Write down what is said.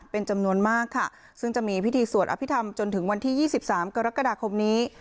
เป็นจำนวนมากค่ะซึ่งจะมีพิธีสวดอภิษฐรรมจนถึงวันที่๒๓กรกฎาคมนี้